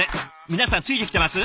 皆さんついてきてます？